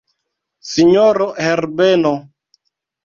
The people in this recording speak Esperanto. Sinjoro Herbeno!